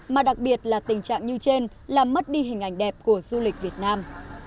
mà đặc biệt là tình trạng như trên làm mất đi hình ảnh đẹp của du lịch việt nam